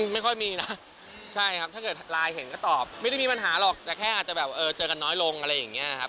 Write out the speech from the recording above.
ไม่ค่อยมีนะใช่ครับถ้าเกิดไลน์เห็นก็ตอบไม่ได้มีปัญหาหรอกแต่แค่อาจจะแบบเออเจอกันน้อยลงอะไรอย่างนี้ครับ